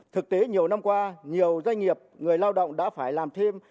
thực tế nhiều năm qua nhiều doanh nghiệp người lao động đã phải làm thêm